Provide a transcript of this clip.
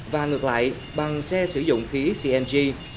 và ngược lại bằng xe sử dụng khí cng